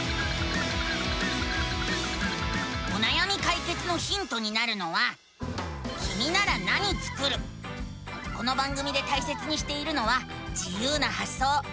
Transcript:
おなやみかいけつのヒントになるのはこの番組でたいせつにしているのは自ゆうなはっそう。